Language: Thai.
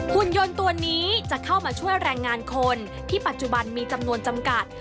หุ่นยนต์ตัวนี้จะเข้ามาช่วยแรงงานคนที่ปัจจุบันมีจำนวนจำกัด